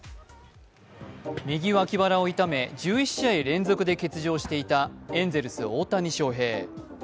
右脇腹を痛め１１試合連続で欠場していたエンゼルス・大谷翔平。